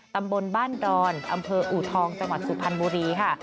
ตำบลบ้านดอนอำเภออูทองจังหวัดสุพรรณบุรีค่ะ